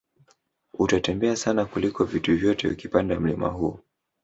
Utatembea sana kliko vitu vyote ukipanda mlima huu